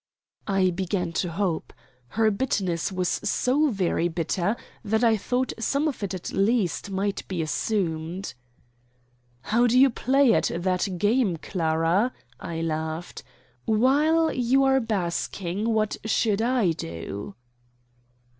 I began to hope. Her bitterness was so very bitter that I thought some of it at least might be assumed. "How do you play at that game, Clara?" I laughed. "While you are 'basking,' what should I do?"